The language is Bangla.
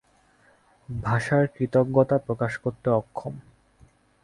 ভাষার কৃতজ্ঞতা প্রকাশ করতে অক্ষম।